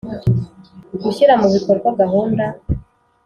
Gushyira mu bikorwa gahunda